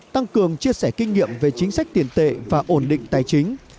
tăng cường chia sẻ kinh nghiệm về chính sách tiền tệ và ổn định tài chính